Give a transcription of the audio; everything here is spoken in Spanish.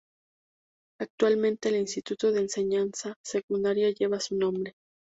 Actualmente el Instituto de Enseñanza Secundaria lleva su nombre.